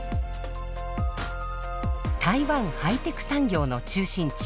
台湾ハイテク産業の中心地